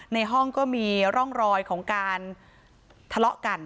ในห้องก็มีร่องรอยของการทะเลาะกัน